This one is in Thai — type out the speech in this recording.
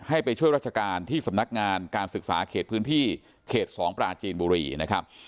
ไปช่วยราชการที่สำนักงานการศึกษาเขตพื้นที่เขต๒ปราจีนบุรีนะครับ